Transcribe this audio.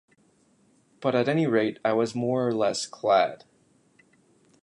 But at any rate I was more or less clad.